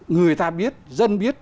người ta biết dân biết